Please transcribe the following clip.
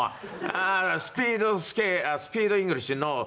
あっスピードイングリッシュノー。